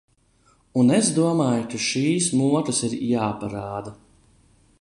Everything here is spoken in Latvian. Un es domāju, ka šīs mokas ir jāparāda.